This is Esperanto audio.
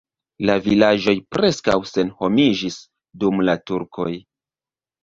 La vilaĝoj preskaŭ senhomiĝis dum la turkoj.